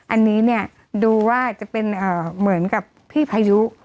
อันนี้เนี่ยดูว่าจะเป็นเหมือนกับพี่พายุ